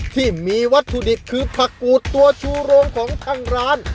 ที่มีวัตถุดิบคือผักกูดตัวชูโรงของทางร้าน